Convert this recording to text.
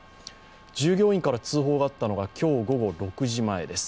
従業員から通報があったのが今日午後６時前です